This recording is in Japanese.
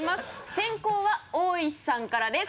先攻は大石さんからです。